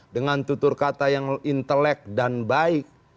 dengan tutur kata yang intelek dan baik